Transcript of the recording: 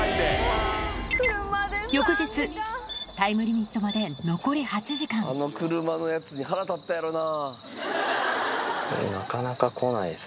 翌日タイミムリミットまで残り８時間車のやつに腹立ったやろな。